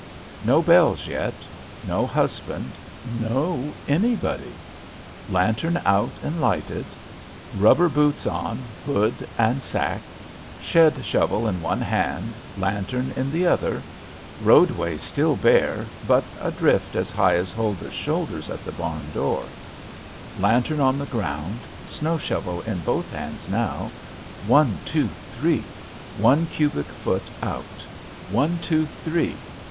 No bells yet, no husband, no anybody. Lantern out and lighted. Rubber boots on, hood and sack. Shed shovel in one hand, lantern in the other. Roadway still bare, but a drift as high as Huldah's shoulders at the barn door. Lantern on the ground; snow shovel in both hands now. One, two, three! one cubic foot out. One, two, three!